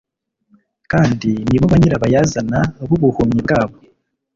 kandi ni bo nyirabayazana b'ubuhumyi bwa bo.